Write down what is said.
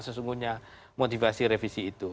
sesungguhnya motivasi revisi itu